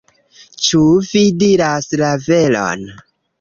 Ĉu vi diras la veron?